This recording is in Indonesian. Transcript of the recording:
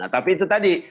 tapi itu tadi